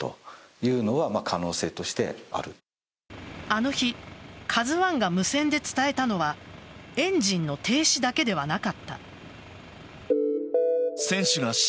あの日、「ＫＡＺＵ１」が無線で伝えたのはエンジンの停止だけではなかった。